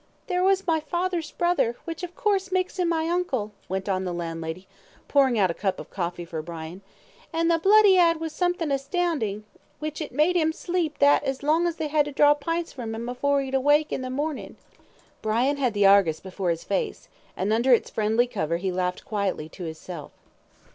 "There was my father's brother, which, of course, makes 'im my uncle," went on the landlady, pouring out a cup of coffee for Brian, "an' the blood 'e 'ad was somethin' astoundin', which it made 'im sleep that long as they 'ad to draw pints from 'im afore 'e'd wake in the mornin'." Brian had the ARGUS before his face, and under its friendly cover he laughed quietly to himself.